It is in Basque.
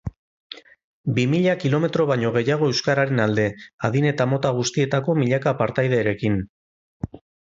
Bi mila kilometro baino gehiago euskararen alde, adin eta mota guztietako milaka partaiderekin.